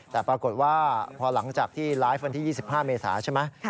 แต่ปรากฏว่าพอหลังจากที่ไลฟ์วันที่๒๕เมษาใช่ไหม